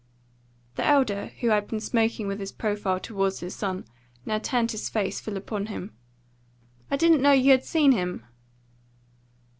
The elder, who had been smoking with his profile toward his son, now turned his face full upon him. "I didn't know you had seen him?"